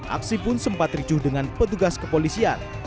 aksi pun sempat ricuh dengan petugas kepolisian